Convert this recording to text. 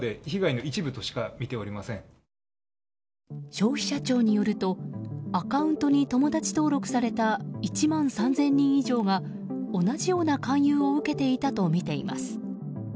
消費者庁によるとアカウントに友達登録された１万３０００人以上が同じような勧誘を受けていたとみています。